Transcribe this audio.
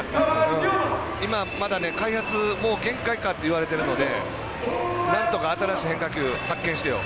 まだ、開発がもう限界かっていわれてるのでなんとか新しい変化球発見してよ。